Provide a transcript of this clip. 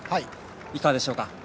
いかがでしょうか。